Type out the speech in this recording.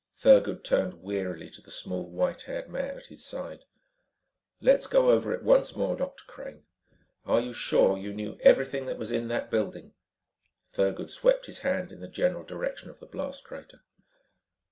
Thurgood turned wearily to the small, white haired man at his side. "Let's go over it once more, Dr. Crane. Are you sure you knew everything that was in that building?" Thurgood swept his hand in the general direction of the blast crater.